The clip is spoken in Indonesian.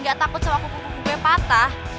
gak takut sama kuku kuku gue patah